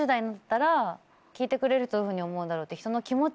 聞いてくれる人どういうふうに思うんだろうって。